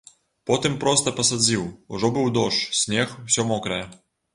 Потым проста пасадзіў, ужо быў дождж, снег, усё мокрае.